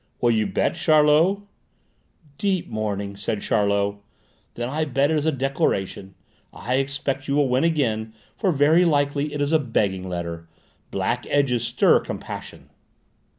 Will you bet, Charlot?" "Deep mourning," said Charlot: "then I bet it is a declaration. I expect you will win again, for very likely it is a begging letter. Black edges stir compassion."